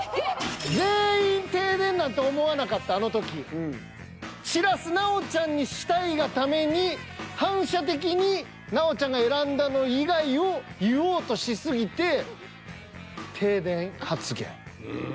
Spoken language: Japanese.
全員停電なんて思わなかったあの時散らす奈緒ちゃんにしたいがために反射的に奈緒ちゃんが選んだの以外を言おうとし過ぎて停電発言。